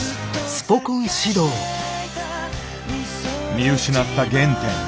見失った原点。